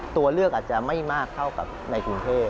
ตัวเลือกอาจจะไม่มากเท่ากับในกรุงเทพ